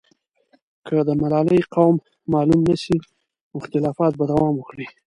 که د ملالۍ قوم معلوم نه سي، نو اختلافات به دوام وکړي.